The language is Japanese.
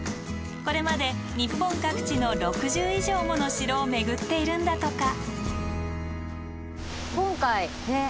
これまで日本各地の６０以上もの城を巡っているんだとか。